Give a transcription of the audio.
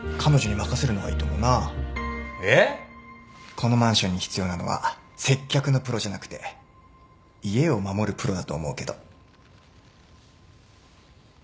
このマンションに必要なのは接客のプロじゃなくて家を守るプロだと思うけど